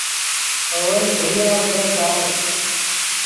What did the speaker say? اول فریآ اوگا کار